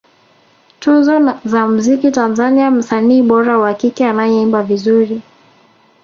Tuzo za mziki Tanzania msanii bora wa kike anayeimba vizuri